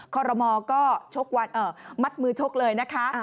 คอรมอก็ชกมัดมือชกเลยนะคะ